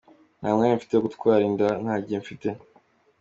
Nta mwanya mfite wo gutwara inda, nta gihe mfite.